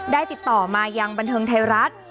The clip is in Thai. ได้ติดต่อมายังบรรเทิงไทยรักษ์